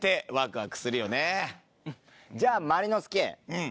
じゃあマリノスケ。